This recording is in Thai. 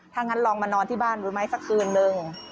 ถ้างั้นลองมานอนที่บ้านดูไหมสักคืนนึง